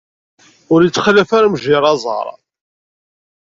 Ur ittxalaf ara mejjir aẓar.